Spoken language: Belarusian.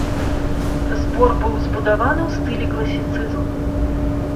Збор быў збудаваны ў стылі класіцызму.